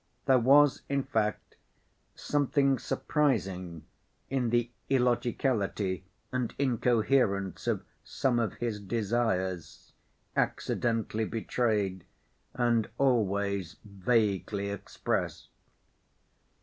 There was, in fact, something surprising in the illogicality and incoherence of some of his desires, accidentally betrayed and always vaguely expressed.